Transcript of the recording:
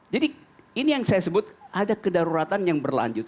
jadi ini yang saya sebut ada kedaruratan yang berlanjut